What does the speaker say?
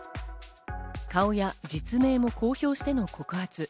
顔や実名も公表しての告発。